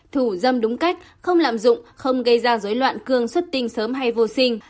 thủ dâm đúng cách không lạm dụng không gây ra dối loạn cương xuất tinh sớm hay vô sinh